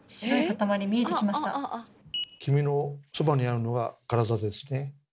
黄身のそばにあるのがカラザですね。